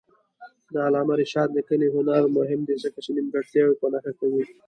د علامه رشاد لیکنی هنر مهم دی ځکه چې نیمګړتیاوې په نښه کوي.